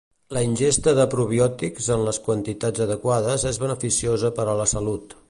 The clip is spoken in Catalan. La ingesta de probiòtics en les quantitats adequades és beneficiosa per a la salut.